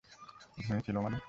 ধনী ছিল মানে?